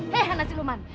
hei anak siluman